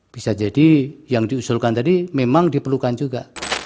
bisa jadi yang diusulkan tadi memang diperlukan juga